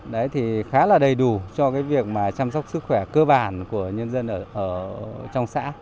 đấy thì khá là đầy đủ cho cái việc mà chăm sóc sức khỏe cơ bản của nhân dân ở trong xã